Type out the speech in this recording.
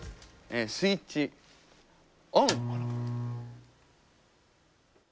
スイッチオン！